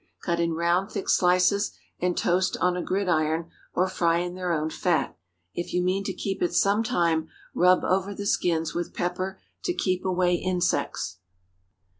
Cut in round, thick slices, and toast on a gridiron, or fry in their own fat. If you mean to keep it some time, rub over the skins with pepper to keep away insects.